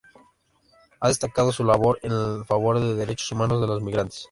Ha destacado su labor en favor de los derechos humanos de los migrantes.